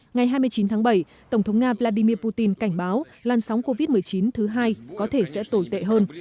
ngày hai mươi chín tháng bảy tổng thống nga vladimir putin cảnh báo lan sóng covid một mươi chín thứ hai có thể sẽ tồi tệ hơn